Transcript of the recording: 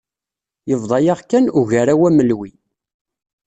Yebḍa-aɣ kan Ugaraw Amelwi.